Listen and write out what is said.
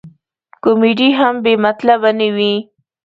کمیډي هم بې مطلبه نه وي.